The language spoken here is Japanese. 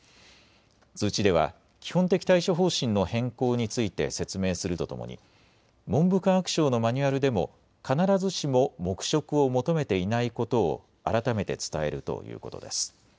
通知では基本的対処方針の変更について説明するとともに文部科学省のマニュアルでも必ずしも黙食を求めていないことを改めて伝えるということです。